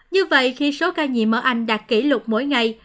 như vậy khi số ca nhiễm ở anh đạt kỷ lục mỗi ngày